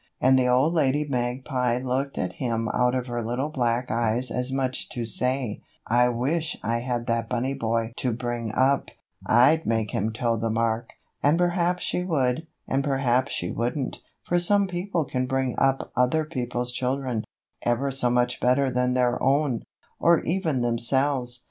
And the old lady magpie looked at him out of her little black eyes as much as to say: "I wish I had that bunny boy to bring up, I'd make him toe the mark." And perhaps she would, and perhaps she wouldn't, for some people can bring up other people's children ever so much better than their own, or even themselves.